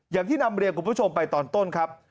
อย่างที่นำเรียนคุณผู้ชมไปตอนต้นครับ